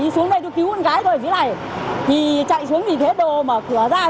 sau khi con đập bị vỡ